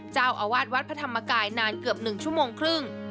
เจ้าอาวาสวัดพระธรรมกายนานเกือบ๑ชั่วโมงครึ่ง